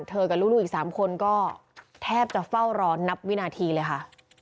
เธอกับลูกลูกอีกสามคนก็แทบจะเฝ้ารอนนับวินาทีเลยค่ะ